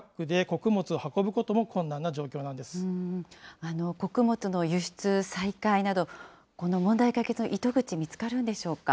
穀物の輸出再開など、この問題解決の糸口、見つかるんでしょうか。